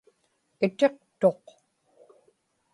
itiqtuq